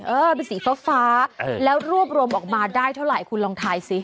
เออเป็นสีฟ้าแล้วรวบรวมออกมาได้เท่าไหร่คุณลองทายสิ